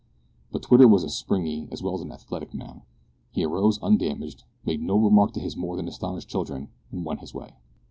But Twitter was a springy as well as an athletic man. He arose undamaged, made no remark to his more than astonished children, and went his way.